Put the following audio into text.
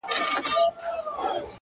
او خبرو باندي سر سو،